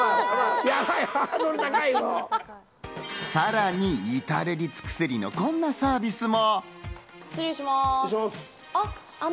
さらに至れり尽くせりのこんなサービスも。